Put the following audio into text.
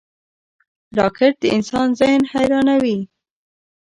راکټ د انسان ذهن حیرانوي